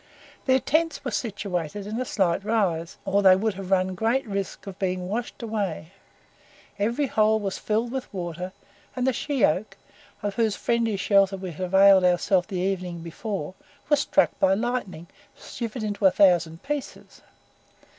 Their tents were situated on a slight rise, or they would have run great risk of being washed away; every hole was filled with water, and the shea oak, of whose friendly shelter we had availed ourselves the evening before, was struck by lightning, shivered into a thousand pieces.